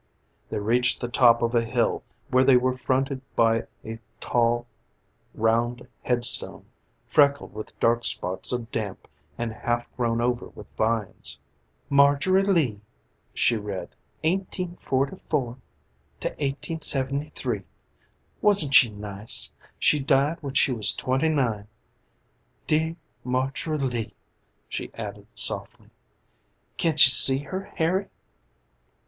They reached the top of a hill where they were fronted by a tall, round head stone, freckled with dark spots of damp and half grown over with vines. "Margery Lee," she read; "1844 1873. Wasn't she nice? She died when she was twenty nine. Dear Margery Lee," she added softly. "Can't you see her, Harry?"